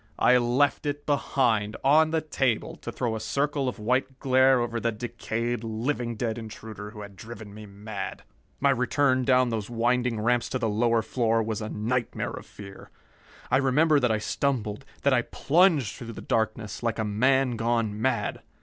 I left it behind, on the table, to throw a circle of white glare over the decayed, living dead intruder who had driven me mad. My return down those winding ramps to the lower floor was a nightmare of fear. I remember that I stumbled, that I plunged through the darkness like a man gone mad.